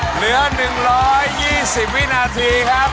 เหลือ๑๒๐วินาทีครับ